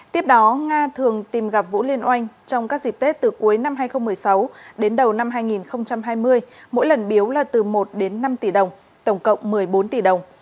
tiếp đó nga thường tìm gặp vũ liên oanh trong các dịp tết từ cuối năm hai nghìn một mươi sáu đến đầu năm hai nghìn hai mươi mỗi lần biếu là từ một đến năm tỷ đồng tổng cộng một mươi bốn tỷ đồng